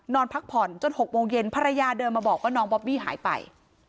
นอนพักผ่อนจน๖โมงเย็นภรรยาเดินมาบอกว่าน้องบอบบี้หายไป